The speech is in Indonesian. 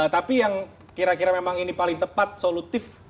tapi yang kira kira memang ini paling tepat solutif